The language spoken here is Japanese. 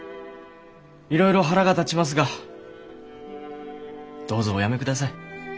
いろいろ腹が立ちますがどうぞお辞めください。